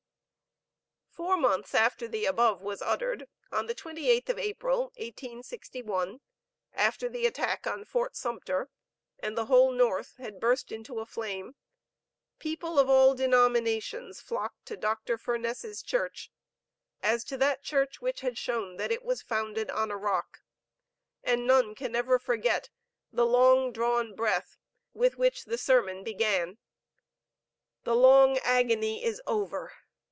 Four months after the above was uttered, on the 28th of April, 1861, after the attack on Fort Sumter, and the whole North had burst into a flame, people of all denominations flocked to Dr. Furness's church, as to that church which had shown that it was founded on a rock, and none can ever forget the long drawn breath with which the sermon began: "The long agony is over!"